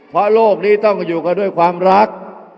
เพราะโลกนี้ต้องอยู่กันด้วยความรัก